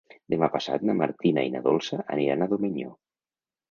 Demà passat na Martina i na Dolça aniran a Domenyo.